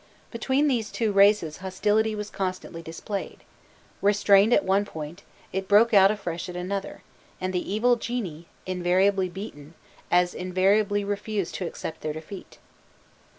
Between these two races hostility was constantly displayed: restrained at one point, it broke out afresh at another, and the evil genii, invariably beaten, as invariably refused to accept their defeat.